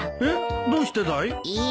えっどうしてだい？